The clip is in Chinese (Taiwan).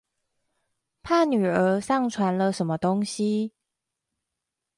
怕女兒上傳了什麼東西